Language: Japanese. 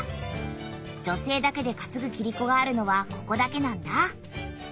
女性だけでかつぐキリコがあるのはここだけなんだ。